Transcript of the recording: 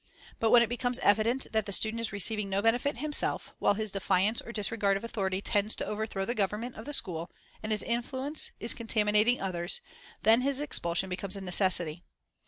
But when it becomes evident that the student is receiving no benefit himself, while his defiance or dis regard of authority tends to overthrow the government of the school, and his influence is contaminating others, then his expulsion becomes a necessity.